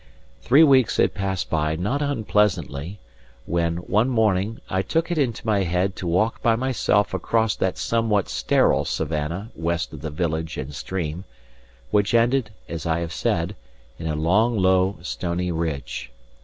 Three weeks had passed by not unpleasantly when, one morning, I took it into my head to walk by myself across that somewhat sterile savannah west of the village and stream, which ended, as I have said, in a long, low, stony ridge.